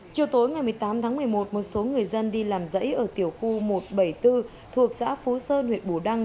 chiều tối ngày một mươi tám tháng một mươi một một số người dân đi làm dãy ở tiểu khu một trăm bảy mươi bốn thuộc xã phú sơn huyện bù đăng